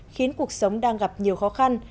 khiến cuộc sống đang gặp nhiều khó khăn